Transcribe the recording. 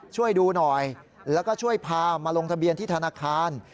ช่วยดูหน่อยแล้วก็ช่วยพามาลงทะเบียนที่ธนาคาร